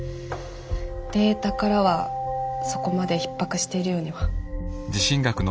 データからはそこまでひっ迫しているようには。